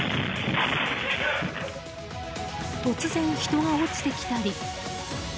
突然、人が落ちてきたり。